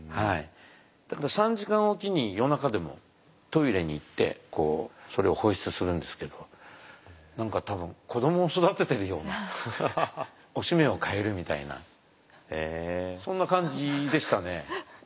だから３時間置きに夜中でもトイレに行ってそれを放出するんですけど何か多分子どもを育ててるようなおしめを替えるみたいなそんな感じでしたね。